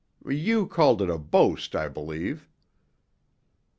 You called it a boast, I believe."